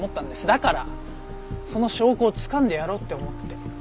だからその証拠をつかんでやろうって思って。